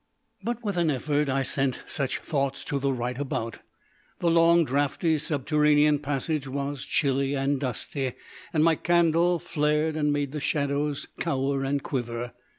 But with an effort I sent such thoughts to the right about. The long, draughty subterranean passage was chilly and dusty, and my candle flared and made the shadows cower and quiver.